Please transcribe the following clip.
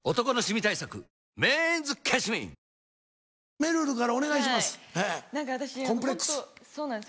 めるるからお願いします。